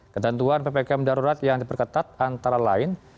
ketentuan ppkm darurat yang diperketat antara lain